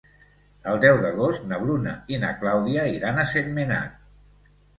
El deu d'agost na Bruna i na Clàudia iran a Sentmenat.